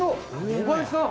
小林さん！